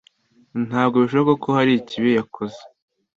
Ntabwo bishoboka ko hari ikibi yakoze.